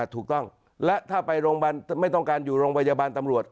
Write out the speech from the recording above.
ถูกต้องและถ้าไปโรงพยาบาลไม่ต้องการอยู่โรงพยาบาลตำรวจ